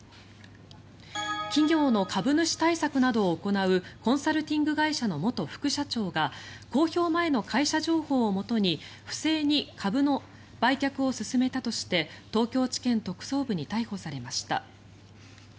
企業の株主対策などを行うコンサルティング会社の元副社長が公表前の会社情報をもとに不正に株の売却を勧めたとして東京地検特捜部に逮捕されました。